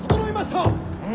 うん。